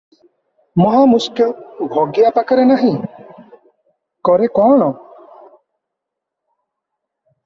ମହାମୁସ୍କିଲ! ଭଗିଆ ପାଖରେ ନାହିଁ, କରେ କଣ?